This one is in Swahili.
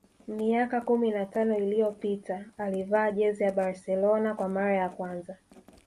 Miaka kumi na tano iliyopita alivaa jezi ya Barcelona kwa mara ya kwanza